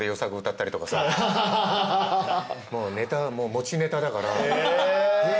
持ちネタだから。